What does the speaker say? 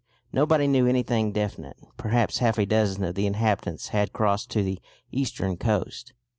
Nobody knew anything definite; perhaps half a dozen of the inhabitants had crossed to the eastern coast.